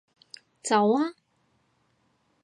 走啊